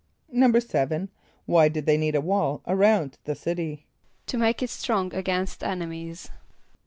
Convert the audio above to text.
= =7.= Why did they need a wall around the city? =To make it strong against enemies.